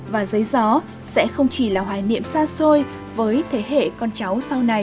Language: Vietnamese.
và giấy gió sẽ không chỉ là hoài niệm xa xôi với thế hệ con cháu sau này